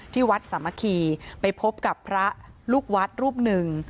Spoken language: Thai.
ที่วัดสามัคคีไปพบกับพระลูกวัดรูปหนึ่ง